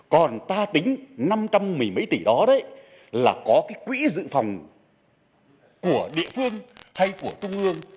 còn ta tính năm trăm một mươi mấy tỷ đó đấy là có cái quỹ dự phòng của địa phương hay của trung ương